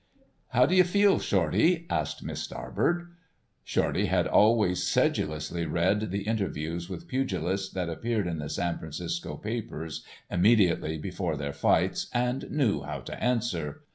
"How do you feel, Shorty?" asked Miss Starbird. Shorty had always sedulously read the interviews with pugilists that appeared in the San Francisco papers immediately before their fights and knew how to answer.